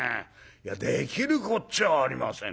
できるこっちゃありません。